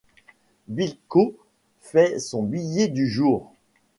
Bilco fait son billet du jour.